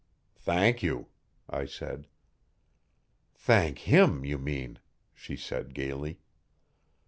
"Thank you," I said. "Thank him, you mean," she said gaily.